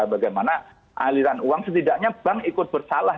bagaimana aliran uang setidaknya bank ikut bersalah